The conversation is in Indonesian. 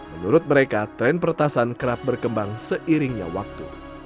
menurut mereka tren pertasan kerap berkembang seiringnya waktu